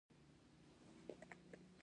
چې موږ یې په هکله ږغېږو پوه شوې!.